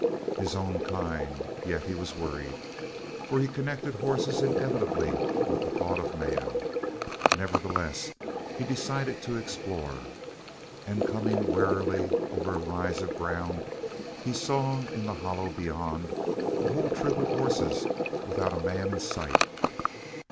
His own kind, yet he was worried, for he connected horses inevitably with the thought of man. Nevertheless, he decided to explore, and coming warily over a rise of ground he saw, in the hollow beyond, a whole troop of horses without a man in sight.